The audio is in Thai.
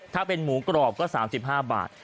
ถ้าเป็นหมูกรอบก็๓๕บาท